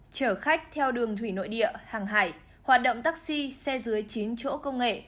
chở khách theo đường thủy nội địa hàng hải hoạt động taxi xe dưới chín chỗ công nghệ